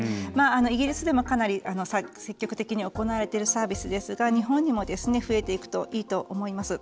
イギリスでもかなり積極的に行われているサービスですが日本にも増えていくといいと思います。